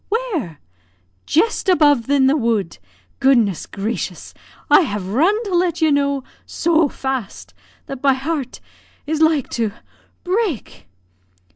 where?" "Jist above in the wood. Goodness gracious! I have run to let you know so fast that my heart is like to break."